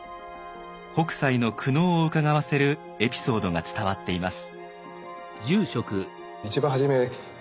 北斎の苦悩をうかがわせるエピソードが伝わっています。